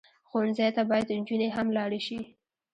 ښوونځی ته باید نجونې هم لاړې شي